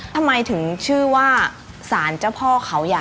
ทำไมถึงชื่อว่าสารเจ้าพ่อเขาใหญ่